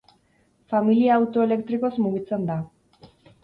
Familia auto elektrikoz mugitzen da.